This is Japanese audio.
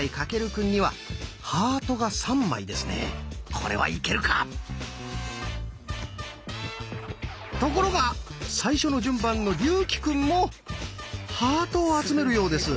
これはいけるか⁉ところが最初の順番の竜暉くんもハートを集めるようです。